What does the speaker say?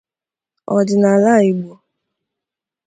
ọdịnala Igbo